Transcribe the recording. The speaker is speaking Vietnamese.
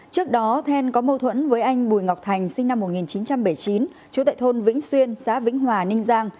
trước đó then có mâu thuẫn với anh bùi ngọc thành sinh năm một nghìn chín trăm bảy mươi chín chú tại thôn vĩnh xuyên xã vĩnh hòa ninh giang